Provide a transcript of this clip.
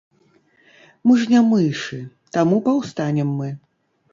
Мы ж не мышы, таму паўстанем мы.